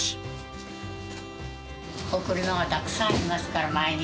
送るのがたくさんありますから、毎日？